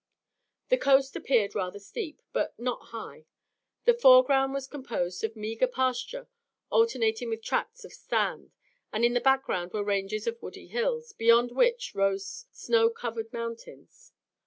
The coast appeared rather steep, but not high; the foreground was composed of meagre pasture alternating with tracts of sand, and in the background were ranges of woody hills, beyond which rose snow covered mountains.